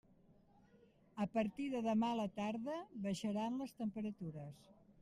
A partir de demà a la tarda baixaran les temperatures.